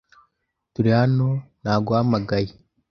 Turi hano naguhamagaye